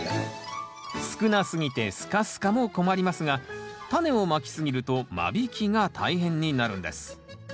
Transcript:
少なすぎてスカスカも困りますがタネをまき過ぎると間引きが大変になるんです。